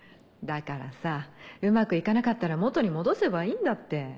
だからさうまく行かなかったら元に戻せばいいんだって。